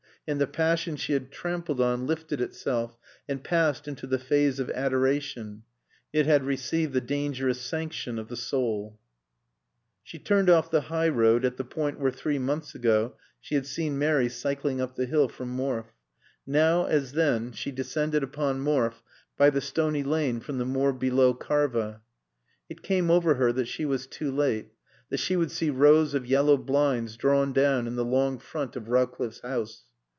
And the passion she had trampled on lifted itself and passed into the phase of adoration. It had received the dangerous sanction of the soul. She turned off the high road at the point where, three months ago, she had seen Mary cycling up the hill from Morfe. Now, as then, she descended upon Morfe by the stony lane from the moor below Karva. It came over her that she was too late, that she would see rows of yellow blinds drawn down in the long front of Rowcliffe's house.